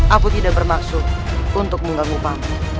aku tidak bermaksud untuk mengganggu pamu